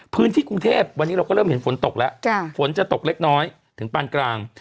พื้นที่กรุงเทพวันนี้เราก็เริ่มเห็นฝนตกแล้วฝนจะตกเล็กน้อยถึงปานกลาง